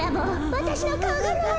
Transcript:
わたしのかおがない！